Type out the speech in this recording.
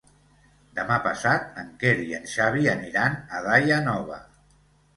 Demà passat en Quer i en Xavi aniran a Daia Nova.